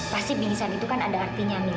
pasti bingkisan itu kan ada artinya mila